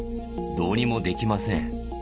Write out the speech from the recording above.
どうにもできません。